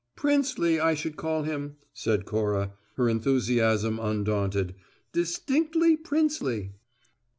"Princely, I should call him," said Cora, her enthusiasm undaunted. "Distinctly princely!"